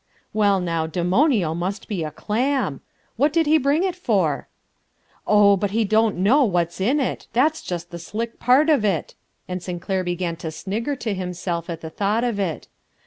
"Well, now, Demonio must be a clam! What did he bring it for?" "Oh, but he don't know what's in it, that's just the slick part of it," and Sinclair began to snigger to himself at the thought of it.